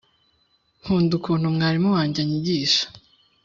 Nkunda ukuntu mwalimu wanjye anyigisha